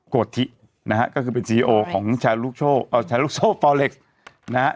โกธินะฮะก็คือเป็นซีโอของแชลลูกโชฟอลเล็กซ์นะฮะ